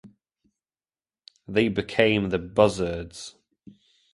They became the buzzards.